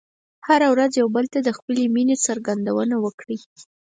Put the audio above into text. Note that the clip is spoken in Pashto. هره ورځ یو بل ته د خپلې مینې څرګندونه وکړئ.